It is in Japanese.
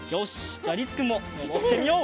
じゃありつくんものぼってみよう！